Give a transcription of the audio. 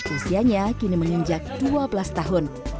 usianya kini menginjak dua belas tahun